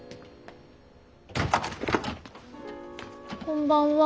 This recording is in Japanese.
こんばんは。